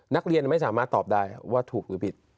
นักเรียนไม่สามารถตอบได้ว่าถูกหรือผิด